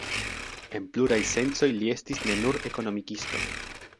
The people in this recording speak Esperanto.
En pluraj sencoj li estis ne nur ekonomikisto.